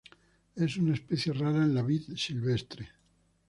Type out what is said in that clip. Es una especie rara en la vid silvestre.